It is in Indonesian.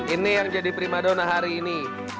ini yang jadi primadona hari ini